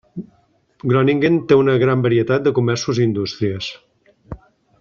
Groningen té una gran varietat de comerços i indústries.